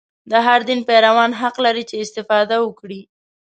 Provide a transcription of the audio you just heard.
د هر دین پیروان حق لري چې استفاده وکړي.